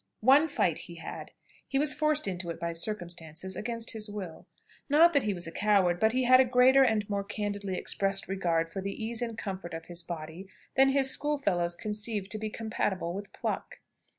One fight he had. He was forced into it by circumstances, against his will. Not that he was a coward, but he had a greater, and more candidly expressed regard for the ease and comfort of his body, than his schoolfellows conceived to be compatible with pluck.